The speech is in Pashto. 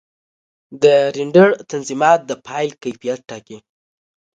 د رېنډر تنظیمات د فایل کیفیت ټاکي.